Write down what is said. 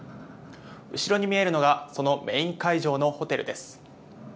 後ろに見えるのがそのメイン会場のホテルです。